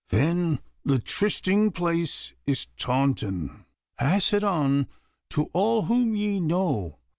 'Then the trysting place is Taunton. Pass it on to all whom ye know.